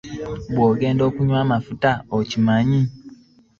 Bw'ogenda okunywa amafuta okimanya.